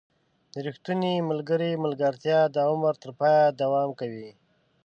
• د ریښتوني ملګري ملګرتیا د عمر تر پایه دوام کوي.